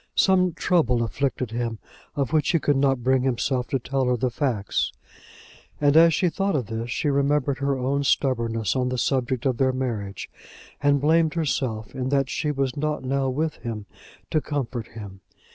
Some trouble afflicted him of which he could not bring himself to tell her the facts, and as she thought of this she remembered her own stubbornness on the subject of their marriage, and blamed herself in that she was not now with him, to comfort him.